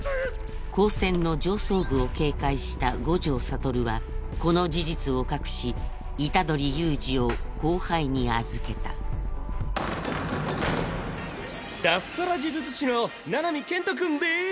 高専の上層部を警戒した五条悟はこの事実を隠し虎杖悠仁を後輩に預けた脱サラ呪術師の七海建人君です。